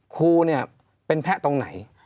ครูเนี่ยเป็นแพะตรงไหน